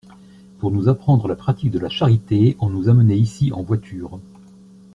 Pour nous apprendre la pratique de la charité, on nous amenait ici en voiture.